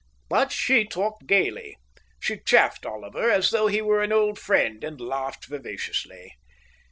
But she talked gaily. She chaffed Oliver as though he were an old friend, and laughed vivaciously.